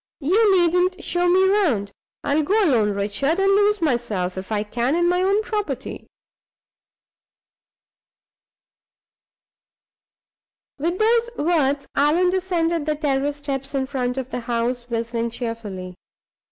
You needn't show me round. I'll go alone, Richard, and lose myself, if I can, in my own property." With those words Allan descended the terrace steps in front of the house, whistling cheerfully.